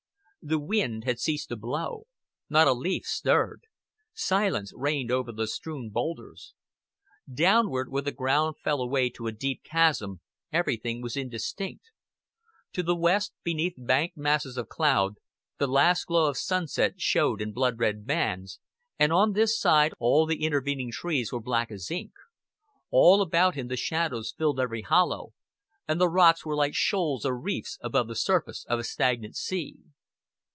The wind had ceased to blow; not a leaf stirred; silence reigned over the strewn boulders. Downward, where the ground fell away to a deep chasm, everything was indistinct; to the west, beneath banked masses of cloud, the last glow of the sunset showed in blood red bands, and on this side all the intervening trees were black as ink; all about him the shadows filled every hollow, and the rocks were like shoals or reefs above the surface of a stagnant sea.